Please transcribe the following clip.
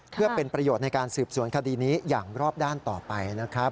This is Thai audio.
เพื่อเป็นประโยชน์ในการสืบสวนคดีนี้อย่างรอบด้านต่อไปนะครับ